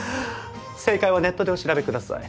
正解はネットでお調べください。